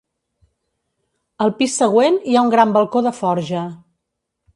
Al pis següent, hi ha un gran balcó de forja.